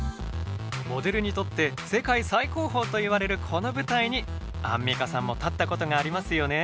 モデルにとって世界最高峰といわれるこの舞台にアンミカさんも立ったことがありますよね。